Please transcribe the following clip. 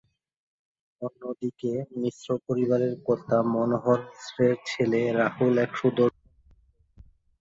অন্যদিকে মিশ্র পরিবারের কর্তা মনোহর মিশ্রের ছেলে রাহুল এক সুদর্শন কিশোর।